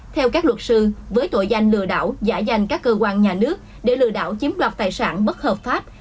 theo các luật sư với tội danh lừa đảo giả danh các cơ quan nhà nước để lừa đảo chiếm đoạt tài sản bất hợp pháp